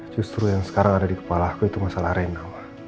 justru yang sekarang ada di kepala aku itu masalah arena